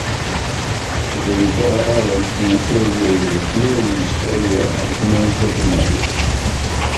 Es dedicava a l'ensenyança de Geografia i Història als nens de primària.